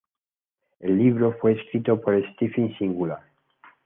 El libro fue escrito por Stephen Singular.